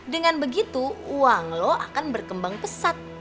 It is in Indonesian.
dengan begitu uang lo akan berkembang pesat